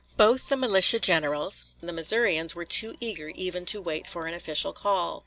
Both the militia generals and the Missourians were too eager even to wait for an official call.